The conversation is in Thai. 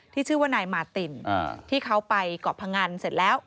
ที่ชื่อว่านายมาศตินที่เขาไปเกาะผังอันแล้ว